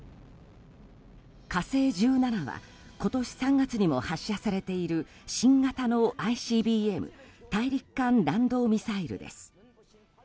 「火星１７」は今年３月にも発射されている新型のＩＣＢＭ・大陸間弾道ミサイルです。